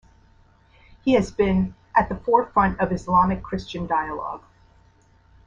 He has been "at the forefront of Islamic-Christian dialogue".